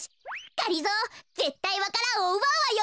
がりぞーぜったいわか蘭をうばうわよ。